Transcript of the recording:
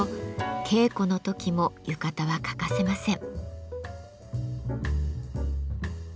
稽古の時も浴衣は欠かせません。